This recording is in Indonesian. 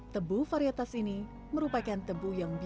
tebu varietas ini merupakan tebu yang biasa